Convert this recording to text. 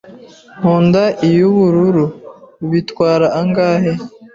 Nkunda iy'ubururu. Bitwara angahe?